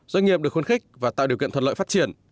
doanh nghiệp được khuyến khích và tạo điều kiện thuận lợi phát triển